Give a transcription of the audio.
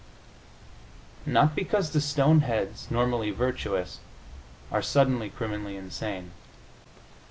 Not because the stoneheads, normally virtuous, are suddenly criminally insane.